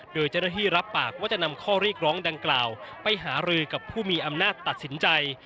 โดยเจ้าหน้าที่รับปากว่าจะนำข้อเรียกร้องดังกล่าวไปหารือกับผู้มีอำนาจตัดสินใจ